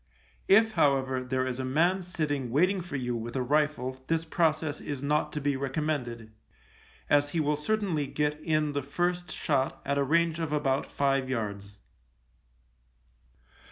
If, however, there is a man sitting waiting for you with a rifle this process is not to be recommended, as he will certainly get in the first shot at a range of about five yards.